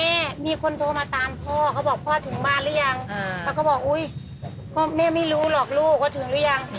เราเห็นเขาไปด้วยกันเราเฟี่ยมตัวโทรศัพท์ลงแปลงเลยนะ